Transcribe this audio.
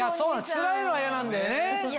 つらいのは嫌なんだよね。